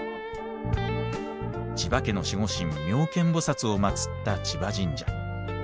千葉家の守護神妙見菩を祭った千葉神社。